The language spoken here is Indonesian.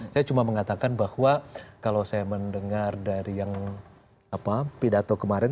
saya cuma mengatakan bahwa kalau saya mendengar dari yang pidato kemarin